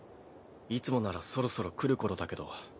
いつもならそろそろ来る頃だけど。